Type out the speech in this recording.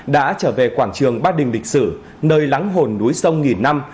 đã trở về quảng trường bát đình lịch sử nơi lắng hồn núi sông nghìn năm